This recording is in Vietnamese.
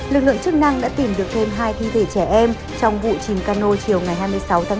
lực lượng chức năng đã tìm được thêm hai thi thể trẻ em trong vụ chìm cano chiều ngày hai mươi sáu tháng tám